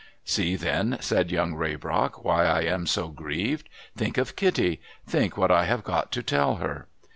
' See then,' said Young Raybrock, ' why I am so grieved. Think of Kitty, Think what I have got to tell her